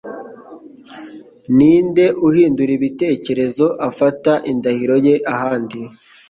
ninde uhindura ibitekerezo afata indahiro ye ahandi